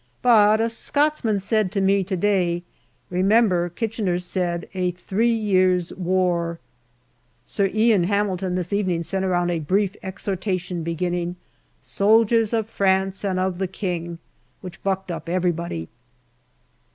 But a Scotsman said to me to day, " Remember, Kitchener said ' A three years' war/ " Sir Ian Hamilton this evening sent round a brief exhor tation beginning, " Soldiers of France and of the King/' which bucked up everybody.